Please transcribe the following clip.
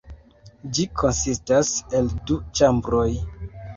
Ĝi konsistas el du ĉambroj.